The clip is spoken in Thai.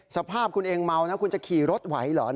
สภาพคุณเองเมานะคุณจะขี่รถไหวเหรอ